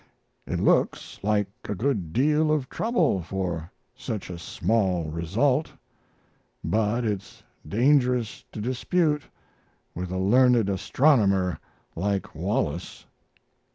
It looks like a good deal of trouble for such a small result; but it's dangerous to dispute with a learned astronomer like Wallace.